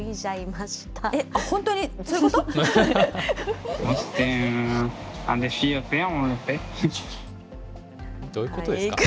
本当に、どういうことですか？